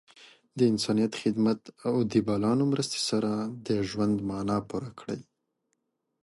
د انسانیت خدمت او د بلانو مرستې سره د ژوند معنا پوره کړئ.